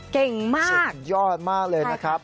เก่งมากสุดยอดมากเลยนะครับ